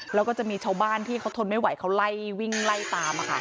แล้วก็จะมีชาวบ้านที่เขาทนไม่ไหวเขาไล่วิ่งไล่ตาม